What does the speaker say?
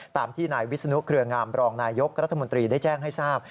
ตามที่นายวิศนุเครืองามรองนายยกรัฐมนตรีได้แจ้งให้ทราบ